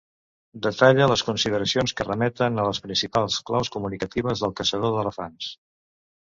Detalle les consideracions que remeten a les principals claus comunicatives del caçador d'elefants.